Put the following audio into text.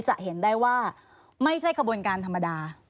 จะเห็นได้ว่าไม่ใช่ขบวนการธรรมดา